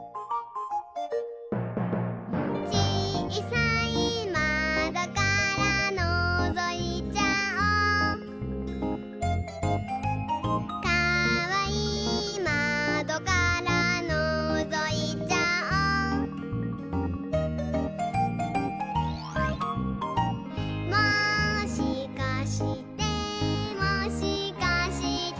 「ちいさいまどからのぞいちゃおう」「かわいいまどからのぞいちゃおう」「もしかしてもしかして」